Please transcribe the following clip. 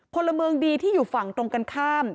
พลเมืองดีที่อยู่ฝั่งตรงกันข้าม